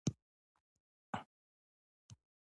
دې حالت ته Depreciation وایي.